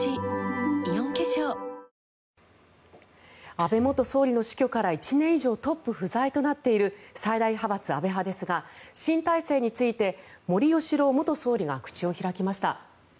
安倍元総理の死去から１年以上トップ不在となっている最大派閥、安倍派ですが新体制について森喜朗元総理が口を開きました。